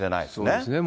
そうですね。